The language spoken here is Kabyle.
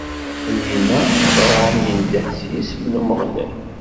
Dinna, Abṛaham indeh s yisem n Umeɣlal.